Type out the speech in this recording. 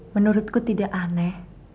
menurutku tidak aneh